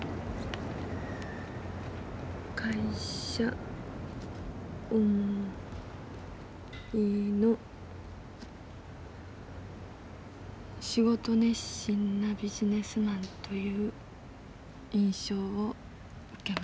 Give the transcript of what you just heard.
「会社思いの仕事熱心なビジネスマンという印象を受けます」。